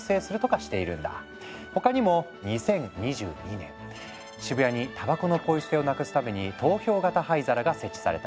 他にも２０２２年渋谷にタバコのポイ捨てをなくすために投票型灰皿が設置された。